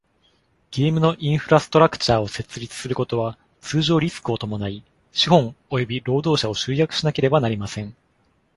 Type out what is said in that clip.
ゲームのインフラストラクチャーを設立することは通常リスクを伴い、資本および労働者を集約しなければなりません。